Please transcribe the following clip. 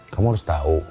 kamu harus tahu